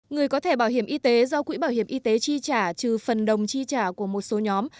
người có thể bảo hiểm y tế do quỹ bảo hiểm y tế chi trả trừ phần đồng chi trả của một số nhóm